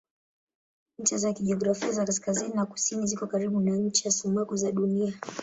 Ncha za kijiografia za kaskazini na kusini ziko karibu na ncha sumaku za Dunia.